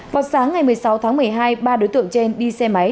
vào sáng ngày một mươi sáu tháng một mươi hai ba đối tượng trên đi xe máy